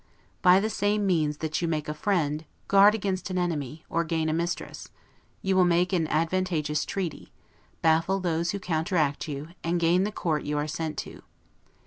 By the same means that you make a friend, guard against an enemy, or gain a mistress; you will make an advantageous treaty, baffle those who counteract you, and gain the court you are sent to.